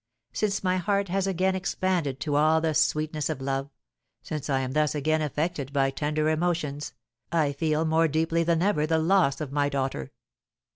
Since my heart has again expanded to all the sweetness of love, since I am thus again affected by tender emotions, I feel more deeply than ever the loss of my daughter.